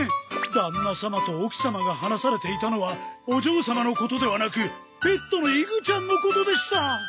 旦那様と奥様が話されていたのはお嬢様のことではなくペットのイグちゃんのことでした。